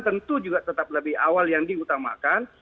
tentu juga tetap lebih awal yang diutamakan